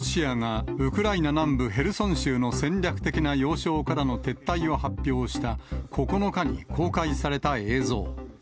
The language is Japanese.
ロシアがウクライナ南部ヘルソン州の戦略的な要衝からの撤退を発表した９日に公開された映像。